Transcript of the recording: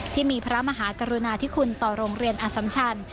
ที่มีพระมหากรุณาธิคุณต่อโรงเรียนอสัมชัน